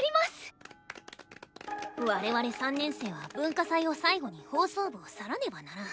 パチパチパチ我々３年生は文化祭を最後に放送部を去らねばならん。